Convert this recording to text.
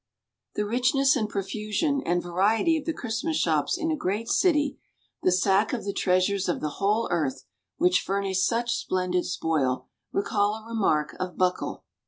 The richness and profusion and variety of the Christmas shops in a great city, the sack of the treasures of the whole earth, which furnish such splendid spoil, recall a remark of Buckle.